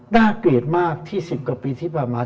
เกลียดมากที่๑๐กว่าปีที่ผ่านมา